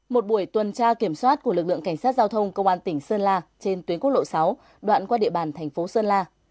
một buổi tuần tra kiểm soát của lực lượng cảnh sát giao thông công an tỉnh sơn la trên tuyến quốc lộ sáu đoạn qua địa bàn thành phố sơn la